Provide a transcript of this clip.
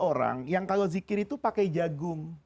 orang yang kalau zikir itu pakai jagung